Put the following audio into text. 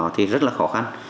thì rất là khó khăn